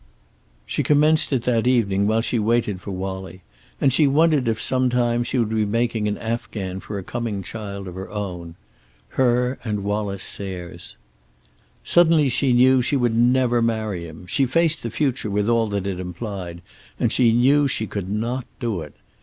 She commenced it that evening while she waited for Wallie, and she wondered if some time she would be making an afghan for a coming child of her own. Hers and Wallace Sayre's. Suddenly she knew she would never marry him. She faced the future, with all that it implied, and she knew she could not do it.